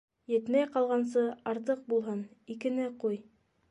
Етмәй ҡалғансы, артыҡ булһын, икене ҡуй.